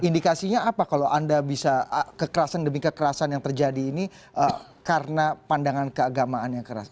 indikasinya apa kalau anda bisa kekerasan demi kekerasan yang terjadi ini karena pandangan keagamaan yang keras